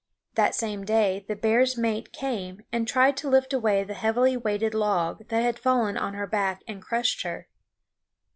That same day the bear's mate came and tried to lift away the heavily weighted log that had fallen on her back and crushed her.